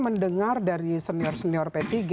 mendengar dari senior senior p tiga